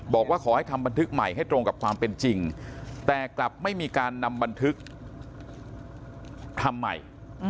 บอกว่าขอให้ทำบันทึกใหม่ให้ตรงกับความเป็นจริงแต่กลับไม่มีการนำบันทึกทำใหม่